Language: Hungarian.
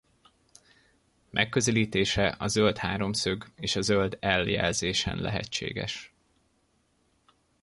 Megközelítése a zöld háromszög és a zöld L jelzésen lehetséges.